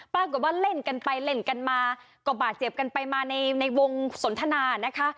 ว่าเล่นกันไปเล่นกันมาก็บาดเจ็บกันไปมาในวงสนทนานะคะ